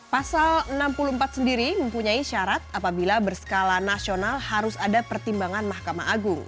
pasal enam puluh empat sendiri mempunyai syarat apabila berskala nasional harus ada pertimbangan mahkamah agung